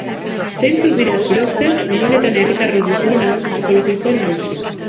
Zeintzuk dira, zure ustez, une honetan herritarrok ditugun arazo psikologiko nagusiak?